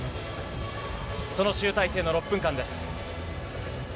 その集大成の６分間です。